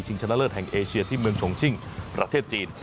ชนะเลิศแห่งเอเชียที่เมืองชงชิงประเทศจีน